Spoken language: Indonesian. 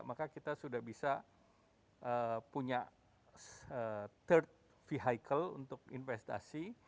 maka kita sudah bisa punya third vehicle untuk investasi